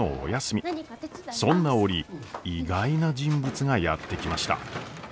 そんな折意外な人物がやって来ました。